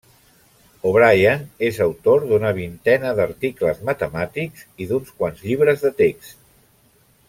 O'Brien és autor d'una vintena d'articles matemàtics i d'uns quants llibres de text.